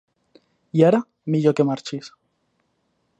I ara millor que marxis!